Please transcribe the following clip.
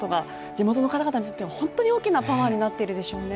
地元の方々にとって本当に大きなパワーになってるでしょうね。